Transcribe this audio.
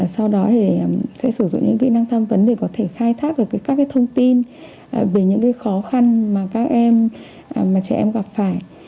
sau đó thì sẽ sử dụng những kỹ năng tham vấn để có thể khai thác được các thông tin về những khó khăn mà các em mà trẻ em gặp phải